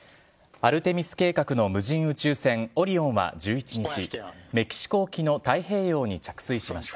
アルテミス計画の無人宇宙船オリオンは１１日、メキシコ沖の太平洋に着水しました。